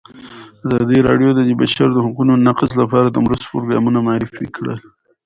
ازادي راډیو د د بشري حقونو نقض لپاره د مرستو پروګرامونه معرفي کړي.